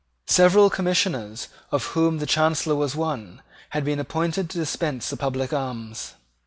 Several Commissioners, of whom the Chancellor was one, had been appointed to dispense the public alms.